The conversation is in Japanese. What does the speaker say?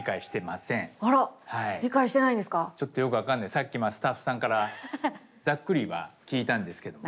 さっきスタッフさんからざっくりは聞いたんですけども。